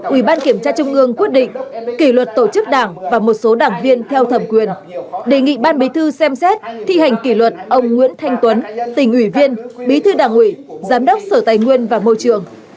ủy ban kiểm tra trung ương quyết định kỷ luật tổ chức đảng và một số đảng viên theo thẩm quyền đề nghị ban bí thư xem xét thi hành kỷ luật ông nguyễn thanh tuấn tỉnh ủy viên bí thư đảng ủy giám đốc sở tài nguyên và môi trường